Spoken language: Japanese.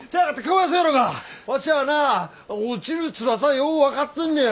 ワシはな落ちるつらさよう分かってんねや！